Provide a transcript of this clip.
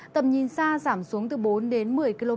tầm nhìn xa giảm xuống từ bốn đến một mươi km trong mưa gió nhẹ